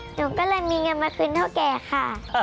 หนูก็เลยมีเงินมาคืนเท่าแก่ค่ะ